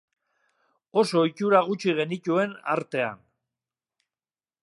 Oso ohitura gutxi genituen artean.